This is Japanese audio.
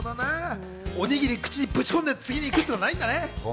おにぎり、口にぶち込んで、次に行くってしないんだよね。